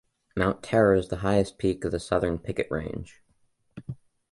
Mount Terror is the highest peak of the southern Picket Range.